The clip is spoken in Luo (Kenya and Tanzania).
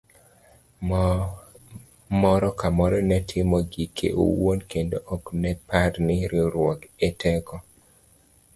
Moro kamoro ne timo gike owuon kendo ok nepar ni riwruok e teko.